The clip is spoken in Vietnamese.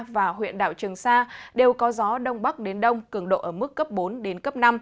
và huyện đảo trường sa đều có gió đông bắc đến đông cường độ ở mức cấp bốn năm